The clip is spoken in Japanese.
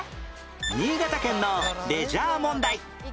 新潟県のレジャー問題